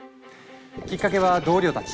きっかけは同僚たち。